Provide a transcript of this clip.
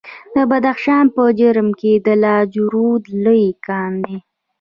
د بدخشان په جرم کې د لاجوردو لوی کان دی.